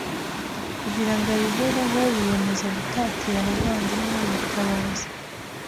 Kugira ngo abigereho yiyemeza gutatira abavandimwe yitabaza